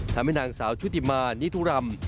ทำให้นางสาวชุติมานิทุรำ